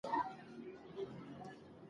ځان تر کامیابۍ پورې ورسوه.